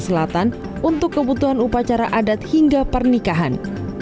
selatan untuk kebutuhan upacara adat hingga pernikahan